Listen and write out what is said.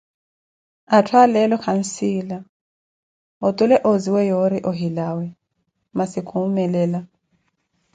Atthu a leeo kansiila, otule ozziwe yoori ohilawa masi kuumelela.